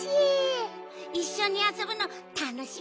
いっしょにあそぶのたのしみなのよね。